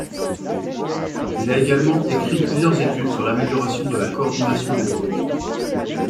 Il a également écrit plusieurs autres études sur l'amélioration de la coordination des doigts.